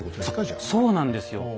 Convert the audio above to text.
そうなんですよ。